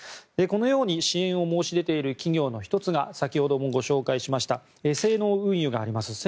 このように支援を申し出ている企業の１つが先ほどご紹介しました西濃運輸があります